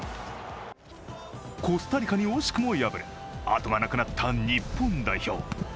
コスタリカに惜しくも敗れ、あとがなくなった日本代表。